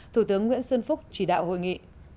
thủ tướng nguyễn xuân phúc chỉ đạo hội nghị